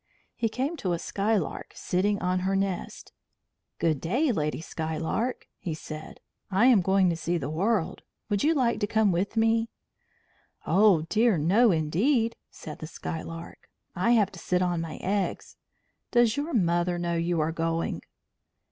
He came to a skylark sitting on her nest. "Good day, Lady Skylark!" he said. "I am going to see the world. Would you like to come with me?" "Oh dear no, indeed," said the Skylark. "I have to sit on my eggs. Does your mother know you are going?"